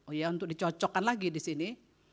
kepada bawaslu untuk dicocokkan lagi di sini